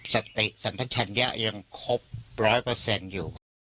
สติสัมภัณฑ์ฉันยังครบร้อยเปอร์เซ็นต์อยู่